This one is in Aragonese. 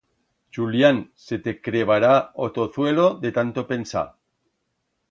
Chulián, se te crebará o tozuelo de tanto pensar!